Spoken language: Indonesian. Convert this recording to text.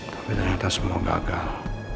tapi ternyata semua gagal